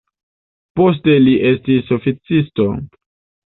Poste li estis oficisto.